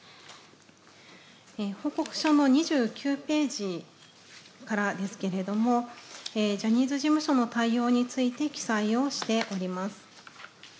報告書の２９ページからですけれども、ジャニーズ事務所の対応について記載をしております。